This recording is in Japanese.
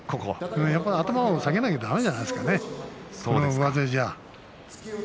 やっぱり頭を下げなきゃだめじゃないですかね